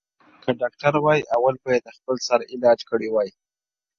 • پک که ډاکتر وای اول به یې د خپل سر علاج کړی وای -